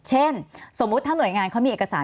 สมมุติถ้าหน่วยงานเขามีเอกสาร